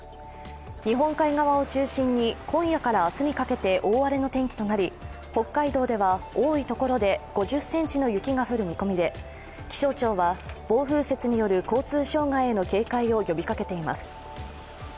日本海側を中心に今夜から明日にかけて大荒れの天気となり、北海道では多いところで５０ｃｍの雪が降る見込みで気象庁は暴風雪による交通障害への警戒を呼びかけています。